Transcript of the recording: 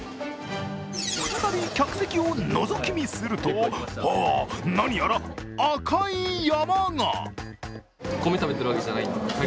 再び、客席をのぞき見すると、ああ、何やら赤い山が！